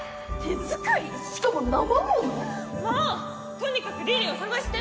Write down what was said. とにかくリリーを捜して！